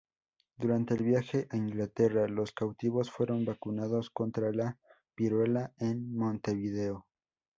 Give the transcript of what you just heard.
Durante el viaje a Inglaterra, los cautivos fueron vacunados contra la viruela en Montevideo.